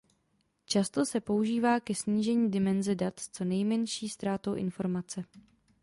Často se používá ke snížení dimenze dat s co nejmenší ztrátou informace.